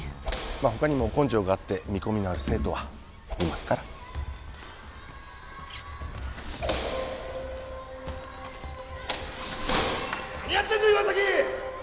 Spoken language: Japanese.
まあ他にも根性があって見込みのある生徒はいますから何やってんだ岩崎！